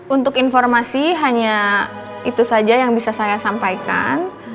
untuk informasi hanya itu saja yang bisa saya sampaikan